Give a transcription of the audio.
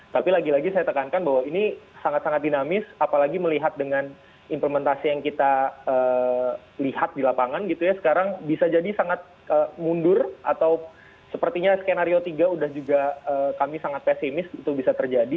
tapi lagi lagi saya tekankan bahwa ini sangat sangat dinamis apalagi melihat dengan implementasi yang kita lihat di lapangan gitu ya sekarang bisa jadi sangat mundur atau sepertinya skenario tiga udah juga kami sangat pesimis itu bisa terjadi